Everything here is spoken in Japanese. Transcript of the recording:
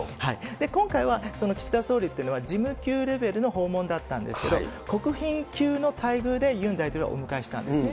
今回は岸田総理というのは、事務級レベルの訪問だったんですけれども、国賓級の待遇でユン大統領をお迎えしたんですね。